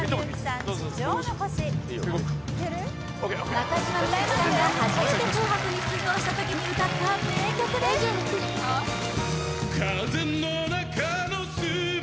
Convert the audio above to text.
中島みゆきさんが初めて「紅白」に出場した時に歌った名曲です・大丈夫ですか？